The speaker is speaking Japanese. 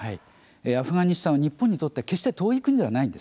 アフガニスタンは日本にとって決して遠い国ではありません。